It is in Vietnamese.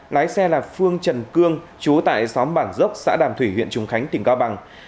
lái xe là phương trần cương chú tại xóm bản dốc xã đàm thủy huyện trùng khánh tỉnh cao bằng